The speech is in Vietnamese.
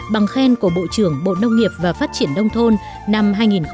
bằng khen của bộ trưởng bộ nông nghiệp và phát triển nông thôn năm hai nghìn một mươi sáu